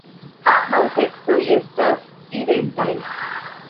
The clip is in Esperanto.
Ambaŭ seksoj estas identaj.